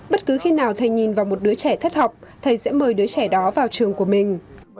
bất cứ khi nào thầy nhìn vào một đứa trẻ thất học thầy sẽ mời đứa trẻ đó vào trường của mình